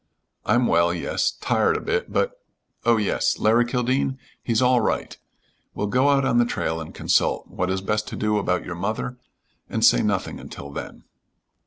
"I'm well, yes. Tired a bit, but, oh, yes! Larry Kildene? He's all right. We'll go out on the trail and consult what is best to do about your mother and say nothing until then."